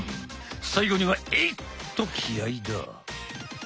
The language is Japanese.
最後にはエイっと気合いだ！